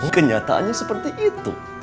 kenyataannya seperti itu